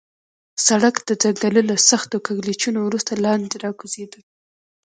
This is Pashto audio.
سړک د ځنګله له سختو کږلېچونو وروسته لاندې راکوزېده.